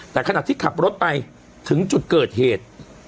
แต่ขณะที่ขับรถไปถึงจุดเกิดเหตุ